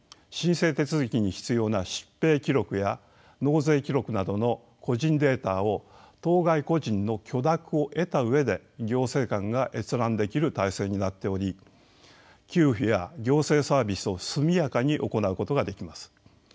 申請手続きに必要な疾病記録や納税記録などの個人データを当該個人の許諾を得た上で行政官が閲覧できる体制になっており給付や行政サービスを速やかに行うことができます。